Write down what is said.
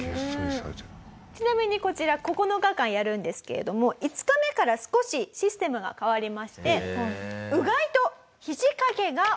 ちなみにこちら９日間やるんですけれども５日目から少しシステムが変わりましてうがいと肘掛けがオーケーになります。